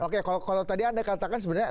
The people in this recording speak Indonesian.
oke kalau tadi anda katakan sebenarnya